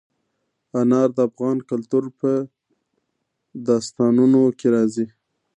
انار د افغان کلتور په داستانونو کې راځي.